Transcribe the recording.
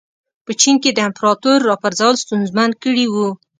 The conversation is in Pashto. په چین کې د امپراتور راپرځول ستونزمن کړي وو.